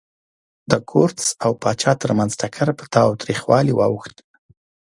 د کورتس او پاچا ترمنځ ټکر پر تاوتریخوالي واوښت.